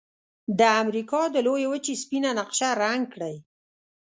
د امریکا د لویې وچې سپینه نقشه رنګ کړئ.